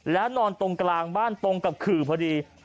แล้วนอนตรงกลางบ้านตรงกับขื่อพอดี